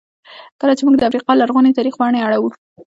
کله چې موږ د افریقا لرغوني تاریخ پاڼې اړوو.